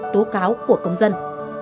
tố cáo của công dân